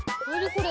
これ。